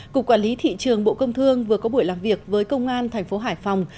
cục quản lý thị trường bộ công thương vừa có buổi làm việc với công an tp hải phòng